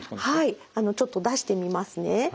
はいちょっと出してみますね。